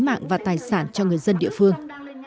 tính mạng và tài sản cho người dân địa phương